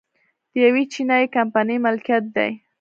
د یوې چینايي کمپنۍ ملکیت دی